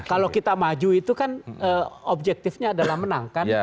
kalau kita maju itu kan objektifnya adalah menang kan